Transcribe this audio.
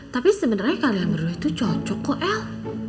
tapi sebenarnya kalian berdua itu cocok kok l